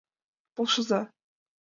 Полшыза...